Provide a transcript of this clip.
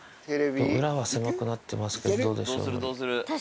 裏は狭くなってますけど、どうでしょう。